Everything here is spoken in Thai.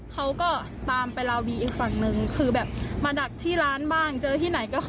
เขาก็จะหาทางเลี่ยงหาอะไรตลอดยังมาที่ร้านใช่ไหมคะ